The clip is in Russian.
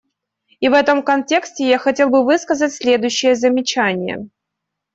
И в этом контексте я хотел бы высказать следующие замечания.